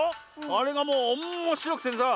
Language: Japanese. あれがもうおんもしろくてさ